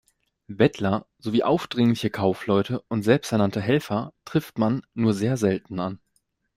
Bettler sowie aufdringliche Kaufleute und selbsternannte „Helfer“ trifft man nur sehr selten an.